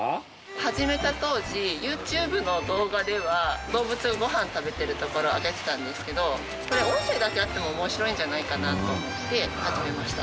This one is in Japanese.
始めた当時ＹｏｕＴｕｂｅの動画では動物がご飯食べてるところをあげてたんですけどこれ音声だけあっても面白いんじゃないかなと思って始めました。